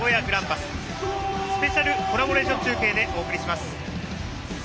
スペシャルコラボレーション中継でお伝えします。